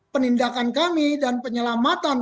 penindakan kami dan penyelamatan